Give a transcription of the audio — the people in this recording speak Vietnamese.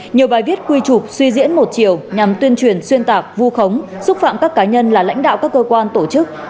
nhiều bài viết quy trục suy diễn một chiều nhằm tuyên truyền xuyên tạc vu khống xúc phạm các cá nhân là lãnh đạo các cơ quan tổ chức